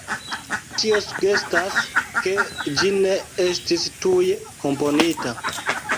Tio sugestas ke ĝi ne estis tuj komponita.